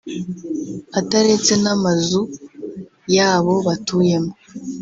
ataretse n’amazu yabo batuyemo